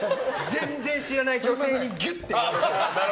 全然知らない直前にギュって。